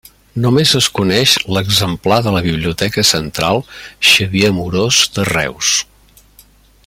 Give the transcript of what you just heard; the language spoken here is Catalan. Només es coneix l'exemplar de la Biblioteca Central Xavier Amorós de Reus.